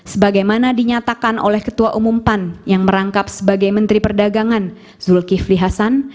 sebagaimana dinyatakan oleh ketua umum pan yang merangkap sebagai menteri perdagangan zulkifli hasan